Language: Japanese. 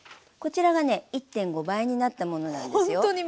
こちらがね１．５倍になったものなんですよ。